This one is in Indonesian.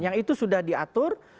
yang itu sudah diatur